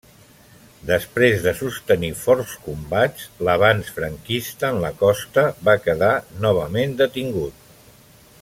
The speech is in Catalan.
Després de sostenir forts combats, l'avanç franquista en la costa va quedar novament detingut.